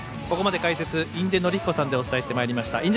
ここまで解説、印出順彦さんでお伝えしてまいりました。